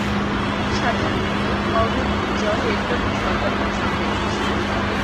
সাধারণত অগভীর জল এর প্রতি সর্বাধিক সংবেদনশীল।